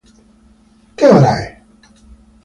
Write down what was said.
Che ora è?